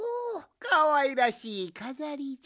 かわいらしいかざりじゃ。